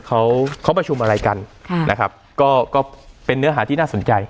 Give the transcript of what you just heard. เขาเขาประชุมอะไรกันค่ะนะครับก็ก็เป็นเนื้อหาที่น่าสนใจ